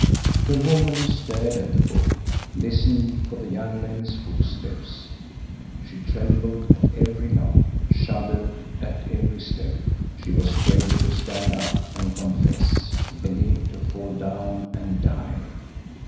The woman stared at the book, listened for the young men's footsteps. She trembled at every knock, shuddered at every step. She was ready to stand up and confess, ready to fall down and die.